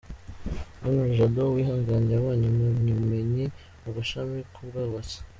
Henri Jado Uwihanganye: yabonye impamyabumenyi mu gashami k’Ubwubatsi.